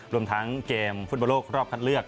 รวมทั้งเกมฟุตบอลโลกรอบคัดเลือก